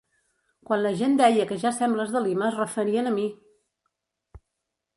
Quan la gent deia que ja sembles de Lima es referien a mi!